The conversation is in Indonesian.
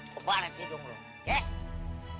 kebanyakan tidung lo ya